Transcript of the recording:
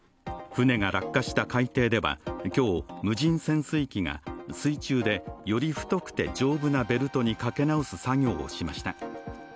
船が落下した海底では今日、無人潜水機が水中で、より太くて丈夫なベルトにかけ直す作業をしました。